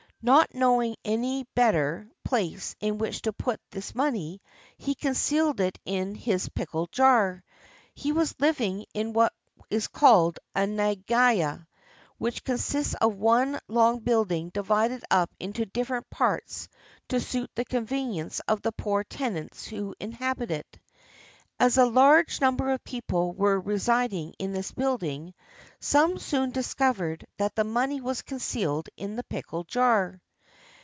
Not knowing of any better place in which to put this money, he concealed it in his pickle jar. He was living in what is called a nagaya, which consists of one long building divided up into dif ferent parts to suit the convenience of the poor tenants who inhabit it. As a large number of people were resid ing in this building, some one soon discovered that the money was concealed in the pickle jar.